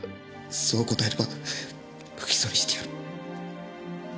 そう答えれば不起訴にしてやる。